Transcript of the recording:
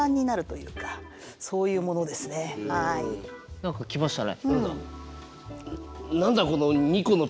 何か来ましたね。